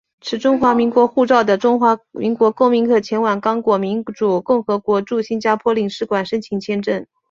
持中华民国护照的中华民国公民可前往刚果民主共和国驻新加坡领事馆申请签证。